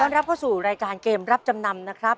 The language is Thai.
รับเข้าสู่รายการเกมรับจำนำนะครับ